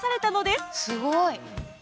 すごい！